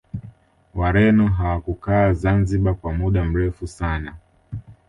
Wareno hawakukaa zanzibar kwa muda mrefu sana